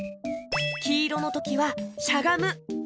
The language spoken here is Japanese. きいろのときはしゃがむ。